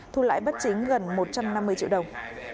thu lãi bất chính gần một trăm năm mươi triệu đồng